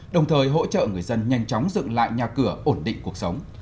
đồng thời hỗ trợ người dân nhanh chóng dựng lại nhà cửa ổn định cuộc sống